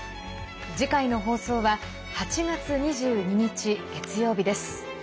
次回の放送は８月２２日、月曜日です。